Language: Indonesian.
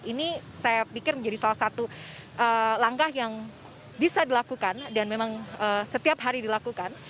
ini saya pikir menjadi salah satu langkah yang bisa dilakukan dan memang setiap hari dilakukan